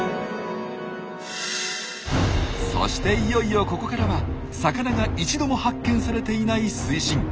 そしていよいよここからは魚が一度も発見されていない水深。